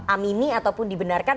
amini ataupun dibenarkan